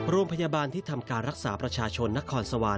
โรงพยาบาลที่ทำการรักษาประชาชนนครสวรรค์